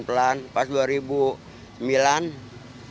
pas dua ribu sembilan baru saya kembali bekerja